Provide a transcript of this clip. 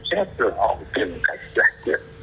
sẽ hấp dẫn họ tìm cách làm việc